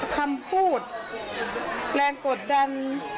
คำพูดแรงกดดัน